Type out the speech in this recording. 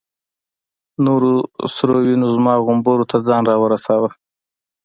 نورو سرو وینو زما غومبورو ته ځان را ورساوه.